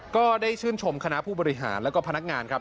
ก็ได้ชื่นชมคณะผู้บริหารแล้วก็พนักงานครับ